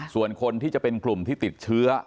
ส่วนคนที่จะเป็นกลุ่มที่ติดเชื้อ